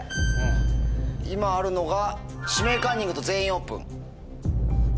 今あるのが「指名カンニング」と「全員オープン」。